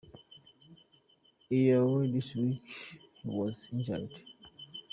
Earlier this week he was injured.